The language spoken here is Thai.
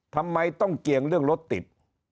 ทำไมต้องเกี่ยงเรื่องรถติด